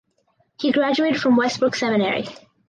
He graduated from Westbrook Seminary.